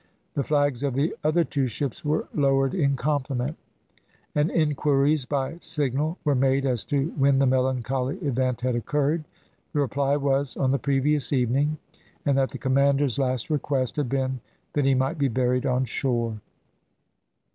The flags of the other two ships were lowered in compliment, and inquiries by signal were made as to when the melancholy event had occurred. The reply was, on the previous evening, and that the commander's last request had been that he might be buried on shore.